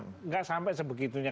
tidak sampai sebegitunya